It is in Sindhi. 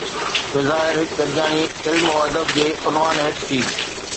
بظاهر هڪ گڏجاڻي علم و ادب جي عنوان هيٺ ٿي.